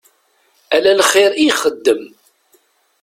Ala lxir i ixeddem.